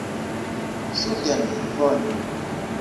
“Suden”, bone.